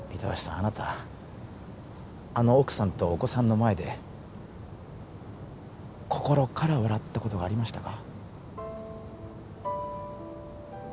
あなたあの奥さんとお子さんの前で心から笑ったことがありましたか？